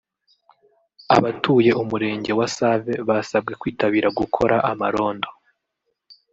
Abatuye Umurenge wa Save basabwe kwitabira gukora amarondo